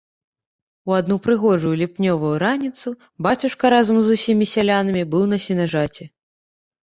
У адну прыгожую ліпнёвую раніцу бацюшка разам з усімі сялянамі быў на сенажаці.